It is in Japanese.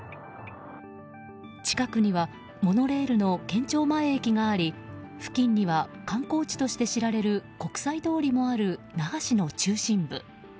近くにはモノレールの県庁前駅があり付近には、観光地として知られる国際通りもある那覇市の中心部。